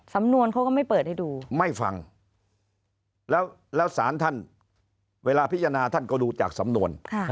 สำนวนเขาก็ไม่เปิดให้ดูไม่ฟังแล้วสารท่านเวลาพิจารณาท่านก็ดูจากสำนวน